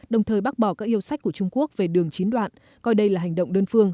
đồng thời bác bỏ các yêu sách của trung quốc về đường chín đoạn coi đây là hành động đơn phương